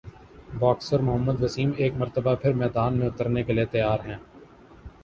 boxer Muhammad Waseem ایک مرتبہ پھر میدان میں اترنےکیلئے تیار ہیں